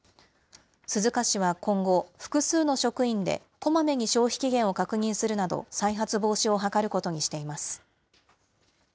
鈴鹿市は今後、複数の職員でこまめに消費期限を確認するなど、再発防止を図ることにしています。